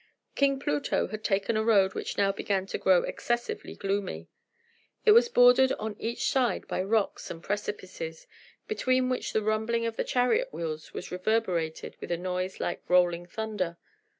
King Pluto had taken a road which now began to grow excessively gloomy. It was bordered on each side with rocks and precipices, between which the rumbling of the chariot wheels was reverberated with a noise like rolling thunder.